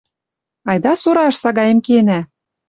Айда Сураш сагаэм кенӓ!